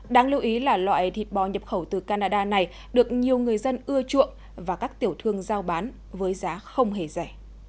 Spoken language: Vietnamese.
đáng lưu ý là loại thịt bò nhập khẩu từ canada này được nhiều người dân ưa chuộng và các tiểu thương giao bán với giá không hề rẻ